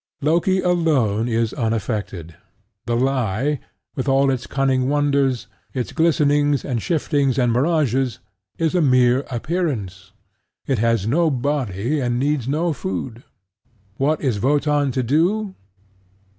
Loki alone is unaffected: the Lie, with all its cunning wonders, its glistenings and shiftings and mirages, is a mere appearance: it has no body and needs no food. What is Wotan to do?